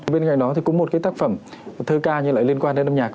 bên cạnh đó thì cũng một cái tác phẩm thơ ca nhưng lại liên quan đến âm nhạc